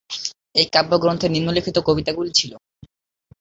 এই কাব্যগ্রন্থে নিম্নলিখিত কবিতাগুলি ছিল।